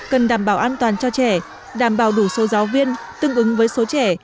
cần đảm bảo an toàn cho trẻ đảm bảo đủ số giáo viên tương ứng với số trẻ